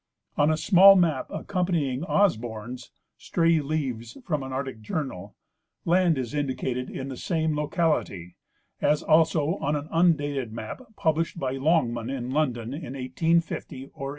On a small map ac companying Osborn's " Stray Leaves from an Arctic Journal," land is indicated in the same locality, as also on an undated map published by Longman in London in 1850 or 1851.